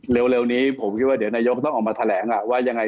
เร็วนี้ผมคิดว่าเดี๋ยวนายกต้องออกมาแถลงล่ะว่ายังไง